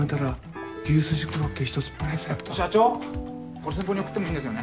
これ先方に送ってもいいんですよね？